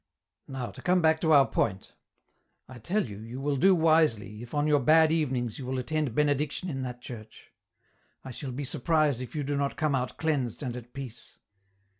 " Now to come back to our point ; I tell you you will do wisely, if on your bad evenings you will attend Benediction in that church. I shall be surprised if you do not come out cleansed and at peace."